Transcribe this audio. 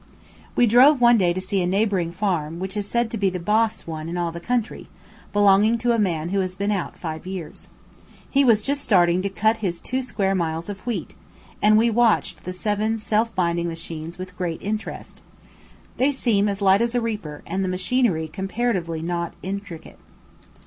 We drove one day to see a neighbouring farm which is said to be the "boss" one in all the country, belonging to a man who has been out five years. He was just starting to cut his two square miles of wheat, and we watched the seven self binding machines with great interest. They seem as light as a reaper, and the machinery comparatively not intricate.